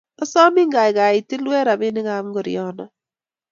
asomin gaigai itilwech robinikab ngoriono